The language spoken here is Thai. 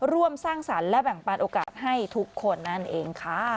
ร่วมสร้างสรรค์และแบ่งปันโอกาสให้ทุกคนนั่นเองค่ะ